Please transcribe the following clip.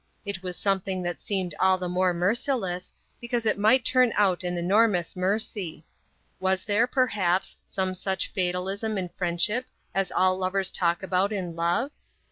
It was something that seemed all the more merciless, because it might turn out an enormous mercy. Was there, perhaps, some such fatalism in friendship as all lovers talk about in love?